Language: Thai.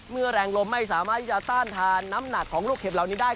แรงลมไม่สามารถที่จะต้านทานน้ำหนักของลูกเห็บเหล่านี้ได้